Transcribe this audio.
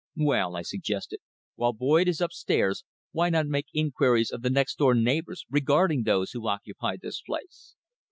"Well," I suggested, "while Boyd is upstairs, why not make inquiries of the next door neighbours regarding those who occupied this place?"